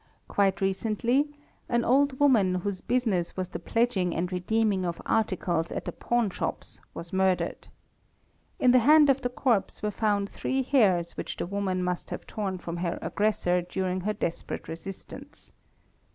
Quite recently an old woman whose business was the pledging and redeeming of articles at the | é 4 ; 1 , pawn shops was murdered. In the hand of the corpse were found three hairs which the woman must have torn from her aggressor during her desperate resistance.